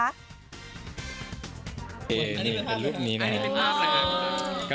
นี่เป็นรูปนี้นะครับ